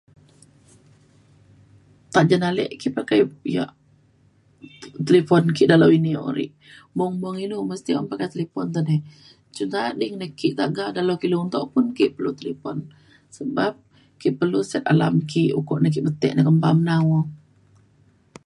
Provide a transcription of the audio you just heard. Tajen ale ki pakai ia’ telefon ke dalau ini un ri. Mung mung ilu mesti un pakai talifon te di. [unintelligible] dalau ke luntok pun un talifon sebab ke perlu set alarm ku ukok ke bete nembam na o